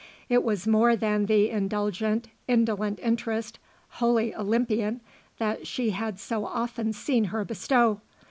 It was more than the indulgent, indolent interest, wholly Olympian, that she had so often seen her bestow.